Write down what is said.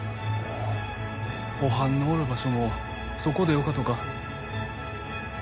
おはんのおる場所もそこでよかとか？